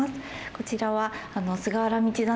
こちらは菅原道真